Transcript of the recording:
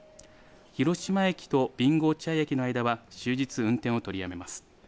広島駅と備後落合駅の間は終日運転を取りやめます。